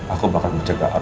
aku bahkan menjaga alam